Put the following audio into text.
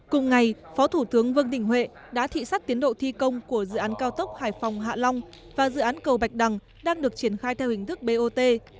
cùng ngày phó thủ tướng vương đình huệ đã thị sát tiến độ thi công của dự án cao tốc hải phòng hạ long và dự án cầu bạch đăng đang được triển khai theo hình thức bot